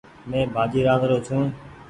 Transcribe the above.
مين ڀآڃي رآدرو ڇون ۔